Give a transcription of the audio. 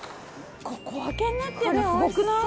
これ小分けになってるのすごくない？